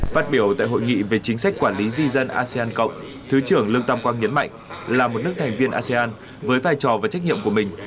phát biểu tại hội nghị về chính sách quản lý di dân asean cộng thứ trưởng lương tam quang nhấn mạnh là một nước thành viên asean với vai trò và trách nhiệm của mình